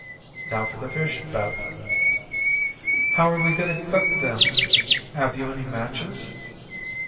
"Now for the fish, Beth." "How are we going to cook them? Have you any matches?"